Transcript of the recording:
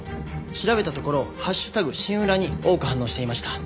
調べたところ「＃シンウラ」に多く反応していました。